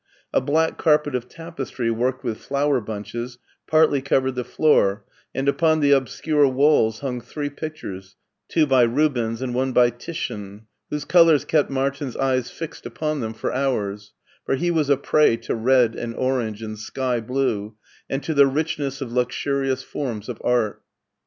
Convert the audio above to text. A black carpet of tapestry worked with flower bunches partly covered the floor, and upon the obscure walls hung three pictures two by Rubens and one by Titian, whose colors kept Martin's eyes fixed upon them for hours, for he was a prey to red and orange and sky blue, and to the richness of luxurious forms of art.